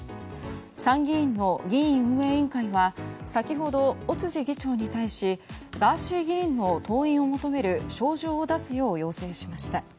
参議院の議院運営委員会は先ほど、尾辻議長に対しガーシー議員の登院を求める招状を出すよう要請しました。